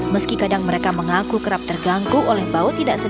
meski kadang mereka mengaku kerap terganggu oleh bau tidak sempur